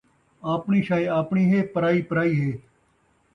آپݨی شئے آپݨی ہے، پرائی پرائی ہے